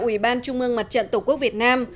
ủy ban trung mương mặt trận tổ quốc việt nam